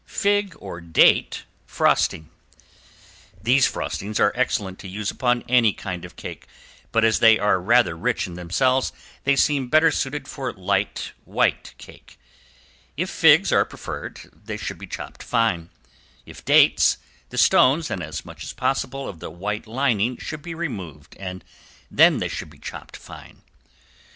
~FIG OR DATE FROSTING~ These frostings are excellent to use upon any kind of cake, but as they are rather rich in themselves, they seem better suited for light white cake. If figs are preferred they should be chopped fine. If dates, the stones and as much as possible of the white lining should be removed and then they should be chopped fine.